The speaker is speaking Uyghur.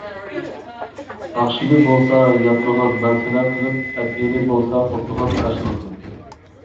ئاخشىمى بولسا ياتمىغان مەسلە قىلىپ ئەتىگىنى بولسا قوپمىغان كاشىلا قىلىپ